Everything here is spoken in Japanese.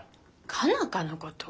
佳奈花のこと？